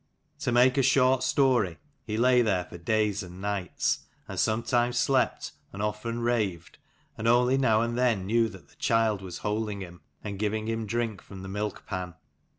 To make a short story, he lay there for days and nights, and sometimes slept, and often raved, and only now and then knew that the child was holding him and giving him drink from the milk pan.